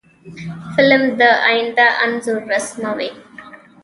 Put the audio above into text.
فلم د آینده انځور رسموي